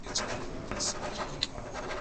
ټولنه پوهه او شعور پېدا کوي.